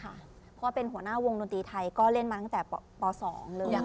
เพราะว่าเป็นหัวหน้าวงดนตรีไทยก็เล่นมาตั้งแต่ป๒เลย